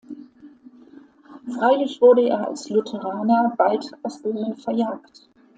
Freilich wurde er als Lutheraner bald aus Böhmen verjagt.